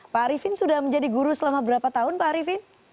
pak arifin sudah menjadi guru selama berapa tahun pak arifin